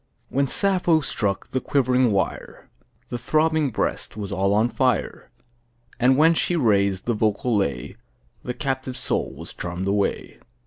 1 When Sappho struck the quivering wire, The throbbing breast was all on fire; And when she raised the vocal lay, The captive soul was charm'd away!